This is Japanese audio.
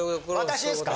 私ですか？